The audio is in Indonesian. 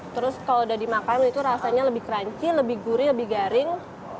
terus kalau udah dimakan itu rasanya lebih crunchy lebih gurih lebih garing